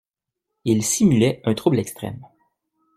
Il simulait un trouble extrême.